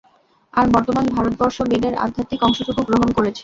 আর বর্তমান ভারতবর্ষ বেদের আধ্যাত্মিক অংশটুকু গ্রহণ করেছে।